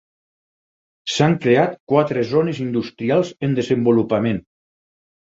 S'han creat quatre zones industrials en desenvolupament.